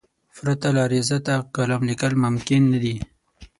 پرته له ریاضته کالم لیکل ممکن نه دي.